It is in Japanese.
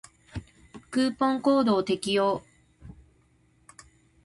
クーポンコードを適用